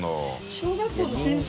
小学校の先生！